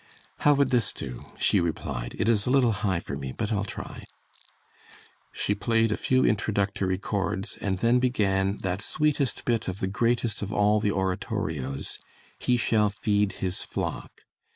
"How would this do?" she replied. "It is a little high for me, but I'll try." She played a few introductory chords, and then began that sweetest bit of the greatest of all the oratorios "He shall Feed His Flock."